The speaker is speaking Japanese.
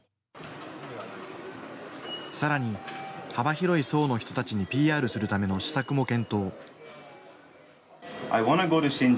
さらに、幅広い層の人たちにＰＲするための施策も検討。